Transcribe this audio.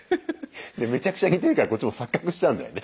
でめちゃくちゃ似てるからこっちも錯覚しちゃうんだよね。